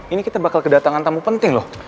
ini kita bakal kedatangan tamu penting loh